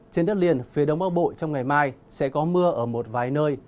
trên đất liền phía đông bắc bộ trong ngày mai sẽ có mưa ở một vài nơi